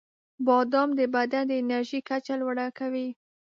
• بادام د بدن د انرژۍ کچه لوړه کوي.